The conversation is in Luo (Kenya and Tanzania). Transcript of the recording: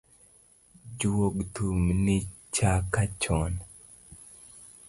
Juog thum ni chaka chon.